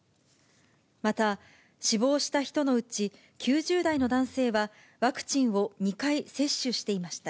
また死亡した人のうち、９０代の男性はワクチンを２回接種していました。